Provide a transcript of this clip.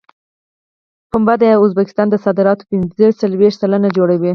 پنبه د ازبکستان د صادراتو پنځه څلوېښت سلنه جوړوي.